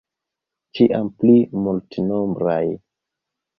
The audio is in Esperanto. Ĉiam pli multnombraj.